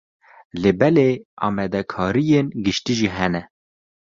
Lê belê, amadekariyên giştî jî hene.